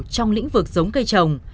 trong lĩnh vực giống cây trồng